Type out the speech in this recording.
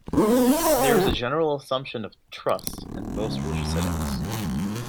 There is a general assumption of trust in most religious settings.